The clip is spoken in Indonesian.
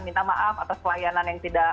minta maaf atas pelayanan yang tidak